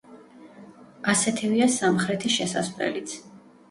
ასეთივეა სამხრეთი შესასვლელიც.